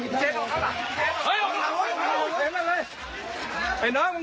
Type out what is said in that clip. เดี๋ยวพี่รักผิดชอบเอง